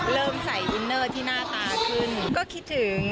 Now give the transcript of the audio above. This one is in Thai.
เริ่มใส่อินเนอร์ที่หน้ากาขึ้น